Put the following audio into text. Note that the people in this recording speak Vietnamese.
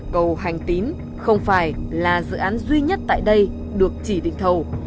cầu hành tín không phải là dự án duy nhất tại đây được chỉ định thầu